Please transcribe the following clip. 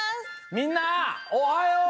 みんなおはよう！